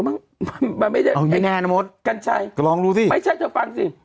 ไม่ใช่เธอฟังสิ